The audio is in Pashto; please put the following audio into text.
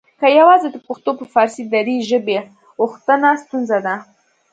که یواځې د پښتنو په فارسي دري ژبې اوښتنه ستونزه ده؟